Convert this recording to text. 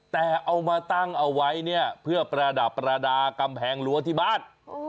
แต่เอามาตั้งเอาไว้เนี่ยเพื่อประดับประดาษกำแพงรั้วที่บ้าน